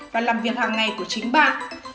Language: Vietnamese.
và làm việc hàng ngày của chính bạn